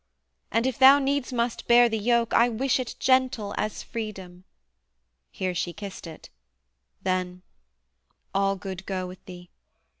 And, if thou needs must needs bear the yoke, I wish it Gentle as freedom' here she kissed it: then 'All good go with thee!